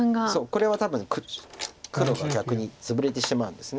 これは多分黒が逆にツブれてしまうんです。